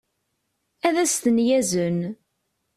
ad as-ten-yazen